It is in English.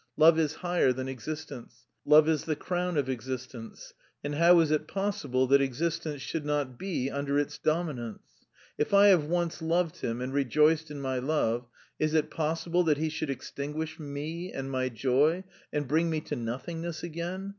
Love is higher than existence, love is the crown of existence; and how is it possible that existence should not be under its dominance? If I have once loved Him and rejoiced in my love, is it possible that He should extinguish me and my joy and bring me to nothingness again?